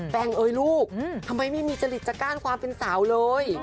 งเอ้ยลูกทำไมไม่มีจริตจะก้านความเป็นสาวเลย